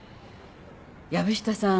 藪下さん